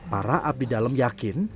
para abdi dalam yakin